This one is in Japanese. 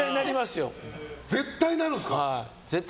絶対なるんですか？